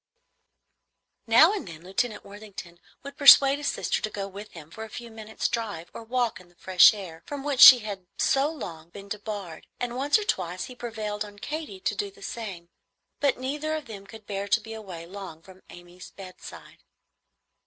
Now and then Lieutenant Worthington would persuade his sister to go with him for a few minutes' drive or walk in the fresh air, from which she had so long been debarred, and once or twice he prevailed on Katy to do the same; but neither of them could bear to be away long from Amy's bedside.